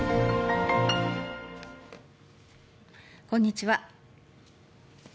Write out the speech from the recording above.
こんにちは。